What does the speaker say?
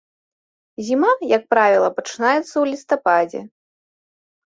Зіма, як правіла, пачынаецца ў лістападзе.